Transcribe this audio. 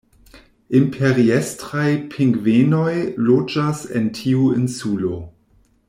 Imperiestraj pingvenoj loĝas en tiu insulo.